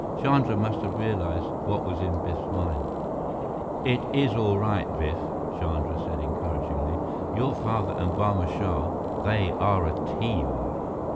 Chandra must have realized what was in Biff's mind. "It is all right, Biff," Chandra said encouragingly. "Your father and Barma Shah they are a team."